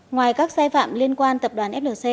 ngoài các sai phạm liên quan tập đoàn flc